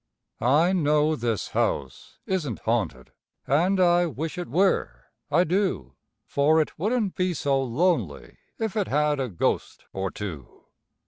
I know this house isn't haunted, and I wish it were, I do; For it wouldn't be so lonely if it had a ghost or two.